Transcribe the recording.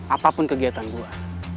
apapun kegiatan gue